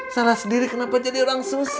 salah sendiri kenapa jadi orang susah